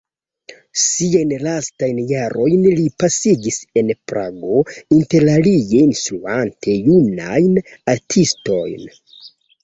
Siajn lastajn jarojn li pasigis en Prago, interalie instruante junajn artistojn.